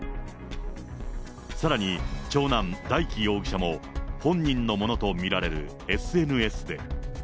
さらに、長男、大祈容疑者も、本人のものと見られるＳＮＳで。